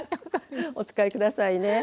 お使い下さいね。